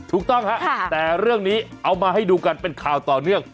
ถูกต้องฮะแต่เรื่องนี้เอามาให้ดูกันเป็นข่าวต่อเนื่อง